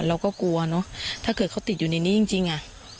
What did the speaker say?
เราก็กลัวเนอะถ้าเกิดเขาติดอยู่ในนี้จริงอ่ะ